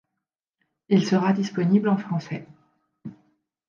Il sera disponible en français.